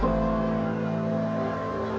ขอบคุณครับ